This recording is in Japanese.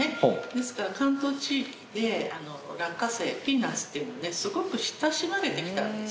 ですから関東地域でピーナッツっていうのは親しまれてきたんです。